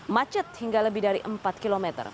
macet hingga lebih dari empat km